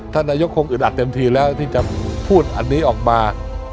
ท่านนายกคงอึดอัดเต็มทีแล้วที่จะพูดอันนี้ออกมา